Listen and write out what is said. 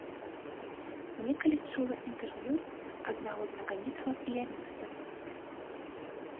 Некалі чула інтэрв'ю аднаго знакамітага піяніста.